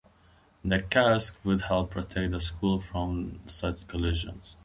The casque would help protect the skull from such collisions.